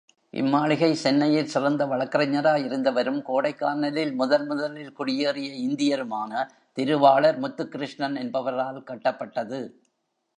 இம் மாளிகை சென்னையில் சிறந்த வழக்கறிஞராயிருந்தவரும், கோடைக்கானலில் முதன் முதலில் குடியேறிய இந்தியருமான திருவாளர் முத்துகிருஷ்ணன் என்பவரால் கட்டப்பட்டது.